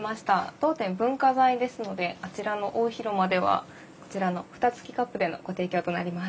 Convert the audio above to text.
当店文化財ですのであちらの大広間ではこちらの蓋つきカップでのご提供となります。